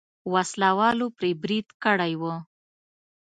وسله والو پرې برید کړی و.